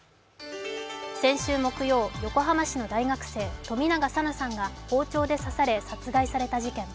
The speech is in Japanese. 先週木曜、横浜市の大学生、冨永紗菜さんが包丁で刺され殺害された事件。